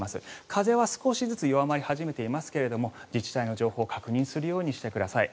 風は少しずつ弱まり始めていますが自治体の情報確認するようにしてください。